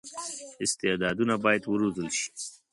استعدادونه باید وروزل شي.